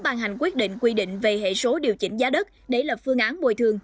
bàn hành quyết định quy định về hệ số điều chỉnh giá đất để lập phương án bồi thương